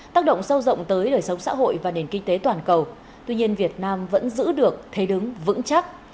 tác động sâu rộng tới đời sống xã hội và nền kinh tế toàn cầu tuy nhiên việt nam vẫn giữ được thế đứng vững chắc